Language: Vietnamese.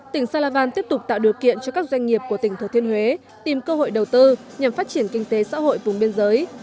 tỉnh salavan tiếp tục tạo điều kiện cho các doanh nghiệp của tỉnh thừa thiên huế tìm cơ hội đầu tư nhằm phát triển kinh tế xã hội vùng biên giới